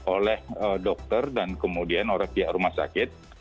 oleh dokter dan kemudian oleh pihak rumah sakit